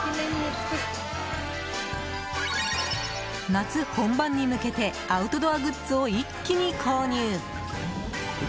夏本番に向けてアウトドアグッズを一気に購入！